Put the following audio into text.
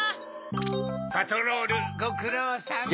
パトロールごくろうさま。